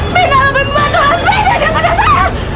bidang lebih mematuhkan bibinya daripada saya